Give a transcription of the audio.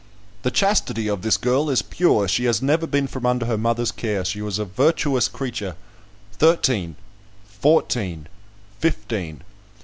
"The chastity of this girl is pure; she has never been from under her mother's care; she is a virtuous creature." "Thirteen." "Fourteen." "Fifteen."